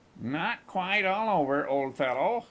Not quite all over, old fellow.